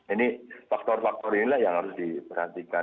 ini faktor faktor inilah yang harus diperhatikan